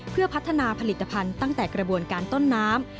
เพื่อพัฒนาผลิตภัณฑ์ตั้งแต่กระบวนการต้นน้ำ